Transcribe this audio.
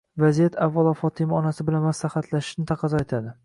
Vaziyat avvalo Fotima onasi bilan maslahatlashishni taqozo etadi.